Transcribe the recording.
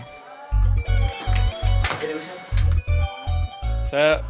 kisah pas kiberaika